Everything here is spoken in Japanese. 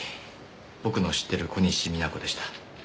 僕の知ってる小西皆子でした。